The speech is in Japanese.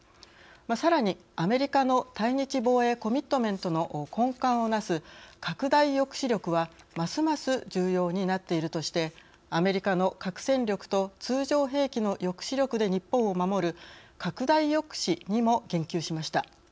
さらに、アメリカの対日防衛コミットメントの根幹をなす拡大抑止力はますます重要になっているとしてアメリカの核戦力と通常兵器の抑止力で日本を守る拡大抑止にも言及しました。